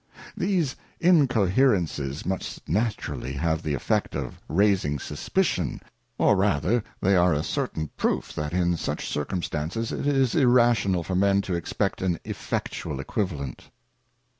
These Incoherences must naturally have the effect of raising suspicion, or rather they are a certain proof, that in such circumstances it is irrational for men to expect an effectual Equivalent.